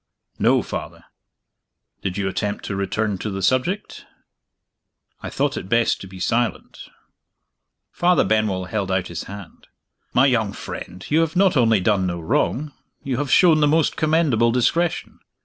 "No, Father." "Did you attempt to return to the subject?" "I thought it best to be silent." Father Benwell held out his hand. "My young friend, you have not only done no wrong you have shown the most commendable discretion.